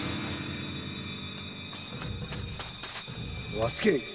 和助